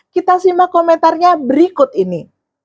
kita simak komentarnya berikut ini